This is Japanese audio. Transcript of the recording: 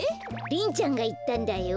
リンちゃんがいったんだよ。